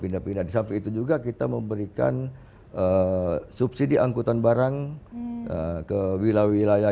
pindah pindah di samping itu juga kita memberikan subsidi angkutan barang ke wilayah wilayah